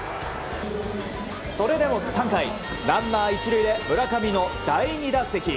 それでも３回ランナー１塁で村上の第２打席。